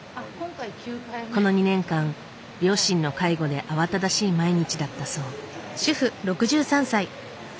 この２年間両親の介護で慌ただしい毎日だったそう。